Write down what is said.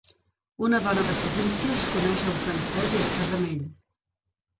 Una dona de províncies coneix a un francès i es casa amb ell.